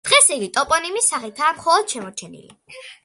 დღეს იგი ტოპონიმის სახითაა მხოლოდ შემორჩენილი.